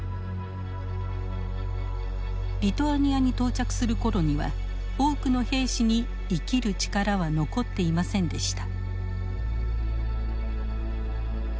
リトアニアに到着する頃には多くの兵士に生きる力は残っていませんでした。